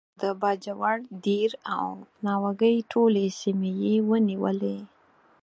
او د باجوړ، دیر او ناوګۍ ټولې سیمې یې ونیولې.